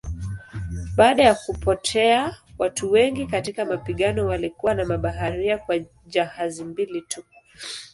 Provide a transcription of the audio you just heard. Baada ya kupotea watu wengi katika mapigano walikuwa na mabaharia kwa jahazi mbili tu.